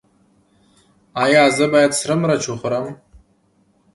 ایا زه باید سره مرچ وخورم؟